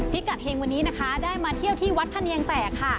พิกัดเฮงวันนี้นะคะได้มาเที่ยวที่วัดพะเนียงแตกค่ะ